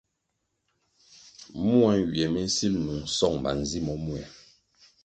Mua nywie mi nsil nung song manzi momea ri.